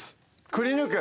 くりぬく？